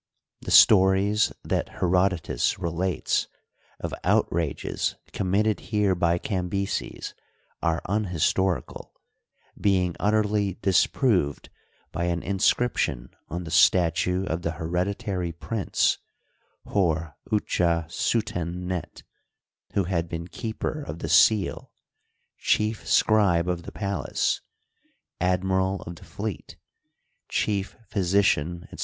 The stories that Herodotus relates of outrages committed here by Cam byses are unhistorical, being utterly disproved by an in scription on the statue of the hereditary prince, Hor'ntja suten net, who had been keeper of the seal, chief scribe of the palace, admiral of the fleet, chief physician, etc.